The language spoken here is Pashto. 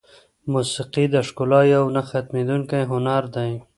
موسیقي د ښکلا یو نه ختمېدونکی هنر دی.